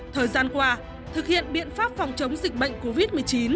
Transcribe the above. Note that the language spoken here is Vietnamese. thời gian qua thực hiện biện pháp phòng chống dịch bệnh covid một mươi chín